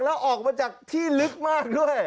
แล้วออกมาจากที่ลึกมากด้วย